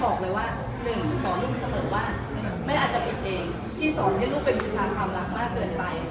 ที่สอนให้ลูกเป็นผู้ชายคำรักมากเกินไป